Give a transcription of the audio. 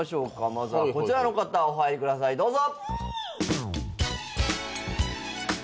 まずはこちらの方お入りくださいどうぞ。